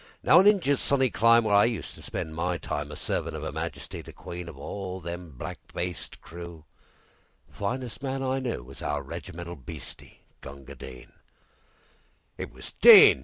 Now in Injia's sunny clime, Where I used to spend my timeA servin' of 'Er Majesty the Queen, Of all them black faced crewThe finest man I knewWas our regimental bhisti, Gunga Din.It was "Din!